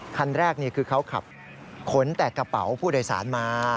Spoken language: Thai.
คันแรกคือเขาขับขนแต่กระเป๋าผู้โดยสารมา